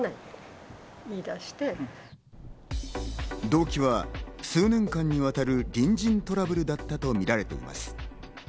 動機は、数年間にわたる隣人トラブルだったとみられています。